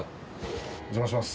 お邪魔します。